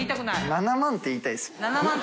７万って言いたい。